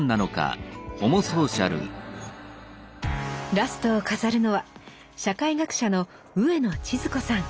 ラストを飾るのは社会学者の上野千鶴子さん。